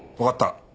わかった。